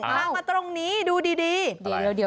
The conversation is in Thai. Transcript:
มาตรงนี้ดูดี